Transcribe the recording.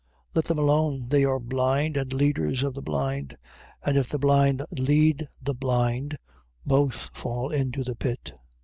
15:14. Let them alone: they are blind, and leaders of the blind. And if the blind lead the blind, both fall into the pit.